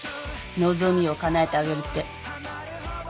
望みをかなえてあげるって。